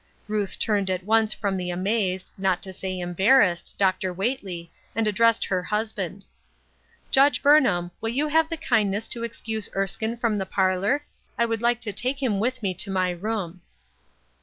Ruth turned at once from the amazed, not to say embarrassed, Dr. Whately and addressed her husband :—" Judge Burnham, will you have the kindness to excuse Erskine from the parlor ? I would like to take him with me to my room."